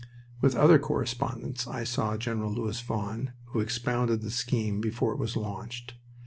With other correspondents I saw Gen. Louis Vaughan, who expounded the scheme before it was launched.